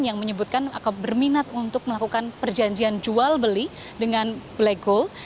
yang menyebutkan atau berminat untuk melakukan perjanjian jual beli dengan black gold